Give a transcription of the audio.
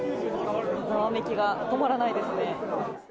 ざわめきが止まらないですね。